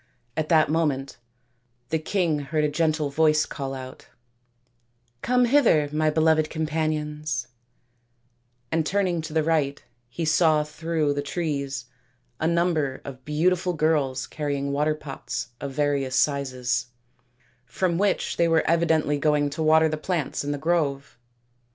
At that moment the king heard a gentle voice call out, " Come hither, my beloved companions," and turning to the right he saw through the trees a number of beautiful girls carrying water pots of various sizes, from which they were evidently going to water the plants in the grove.